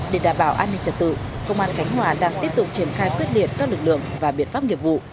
để đảm bảo an ninh trật tự công an cánh hòa đang tiếp tục triển khai quyết liệt các lực lượng và biện pháp nghiệp vụ